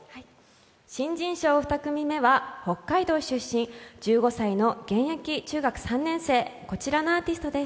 新人賞２組目は北海道出身１５歳の現役中学３年生、こちらのアーティストです。